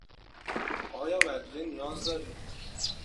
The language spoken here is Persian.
آیا ودیعه نیاز دارید؟